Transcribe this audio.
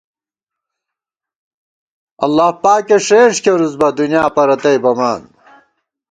اللہ پاکے ݭېنݭ کېرُوس بہ ، دُنیا پرَتئ بَمان